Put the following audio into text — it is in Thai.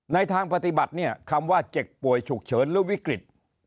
ทางปฏิบัติเนี่ยคำว่าเจ็บป่วยฉุกเฉินหรือวิกฤต